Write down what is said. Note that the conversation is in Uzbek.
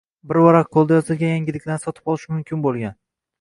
bir varaq qo‘lda yozilgan yangiliklarni sotib olish mumkin bo‘lgan.